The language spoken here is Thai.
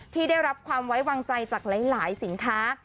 ที่ได้รับความไว้วางใจจากหลายสินค้า